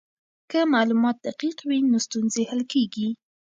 که معلومات دقیق وي نو ستونزې حل کیږي.